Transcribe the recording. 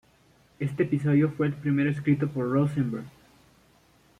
Este episodio fue el primero escrito por Rosenberg.